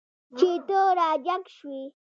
چې ته را جګ شوی یې.